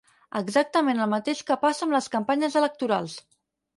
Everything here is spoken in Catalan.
Exactament el mateix que passa amb les campanyes electorals.